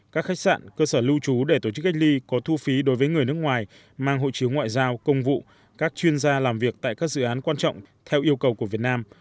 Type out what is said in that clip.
các khách sạn cơ sở lưu trú để tổ chức cách ly có thu phí đối với người nước ngoài mang hội chiếu ngoại giao công vụ các chuyên gia làm việc tại các dự án quan trọng theo yêu cầu của việt nam